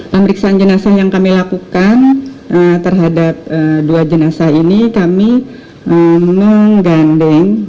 pemeriksaan jenazah yang kami lakukan terhadap dua jenazah ini kami menggandeng